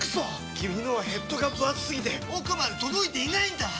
君のはヘッドがぶ厚すぎて奥まで届いていないんだっ！